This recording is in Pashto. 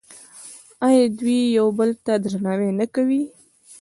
آیا دوی یو بل ته درناوی نه کوي؟